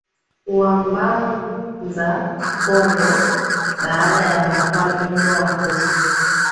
wa Mbanza Kongo Baada ya wafalme kuwa Wakristo